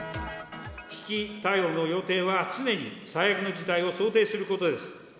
危機対応の要諦は常に最悪の事態を想定することです。